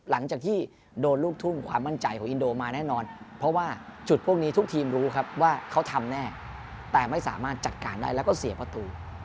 หลังจากที่โดนลูกทุ่งความมั่นใจของอินโดมาแน่นอนเพราะว่าจุดพวกนี้ทุกทีมรู้ครับว่าเขาทำแน่แต่ไม่สามารถจัดการได้แล้วก็เสียประตู